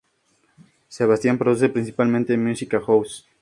Sebastian produce principalmente música House.